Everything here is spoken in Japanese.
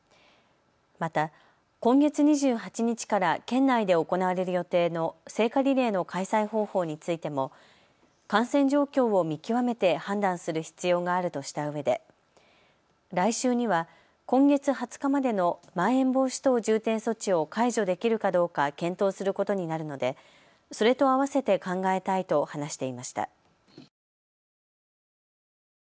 また今月２８日から県内で行われる予定の聖火リレーの開催方法についても感染状況を見極めて判断する必要があるとしたうえで来週には今月２０日までのまん延防止等重点措置を解除できるかどうか検討することになるのでそれとあわせて考えたいと話していました。